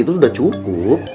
itu sudah cukup